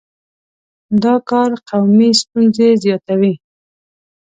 دا کار قومي ستونزې زیاتوي.